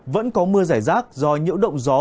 vẫn có mưa giải rác do nhiễu động gió